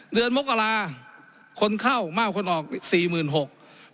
เดือนมกราคนเข้ามากกว่าคนออก๔๖๐๐๐คนนะครับ